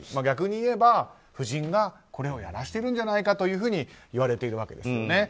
逆に言えば夫人がこれをやらせているんじゃないかといわれているわけです。